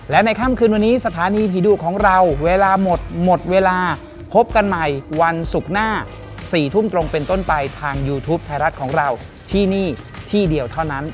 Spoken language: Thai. และในค่ำคืนวันนี้สถานีผีดุของเราเวลาหมดหมดเวลาพบกันใหม่วันศุกร์หน้า๔ทุ่มตรงเป็นต้นไปทางยูทูปไทยรัฐของเราที่นี่ที่เดียวเท่านั้น